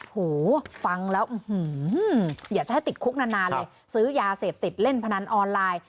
โหฟังแล้วอยากจะให้ติดคุกนานเลยซื้อยาเสพติดเล่นพนันออนไลน์